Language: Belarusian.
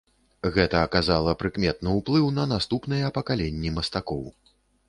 Гэта аказала прыкметны ўплыў на наступныя пакаленні мастакоў.